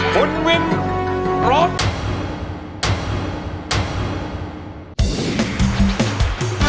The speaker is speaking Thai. คุณวินร้อง